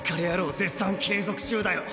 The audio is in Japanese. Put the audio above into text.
絶賛継続中だよ。